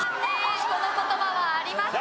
この言葉はありません。